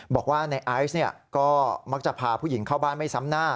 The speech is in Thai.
บอกว่าในไอซ์ก็มักจะพาผู้หญิงเข้าบ้านไม่ซ้ำหน้า